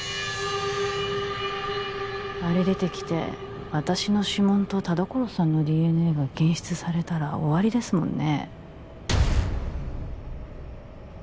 あれ出てきて私の指紋と田所さんのＤＮＡが検出されたら終わりですもんね